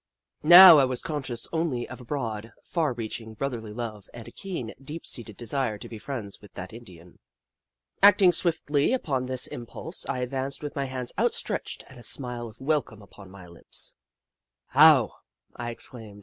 Now I was conscious only of a broad, far reaching brotherly love, and a keen, deep seated desire to be friends with that Indian. Acting swiftly upon this impulse, I advanced with hands outstretched and a smile of welcome upon my lips. "How!" I exclaimed.